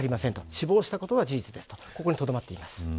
死亡したことは事実ですとここにとどまっています。